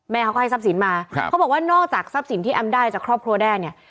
เขาก็ให้ทรัพย์สินมาเขาบอกว่านอกจากทรัพย์สินที่แอมได้จากครอบครัวแด้เนี่ย